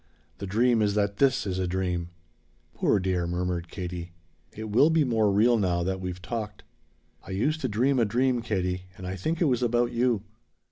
The dream is that this is a dream." "Poor dear," murmured Katie. "It will be more real now that we've talked." "I used to dream a dream, Katie, and I think it was about you.